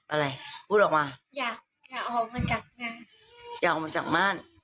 อะไรพูดออกมาอย่าออกมาจากงานอย่าออกมาจากบ้าน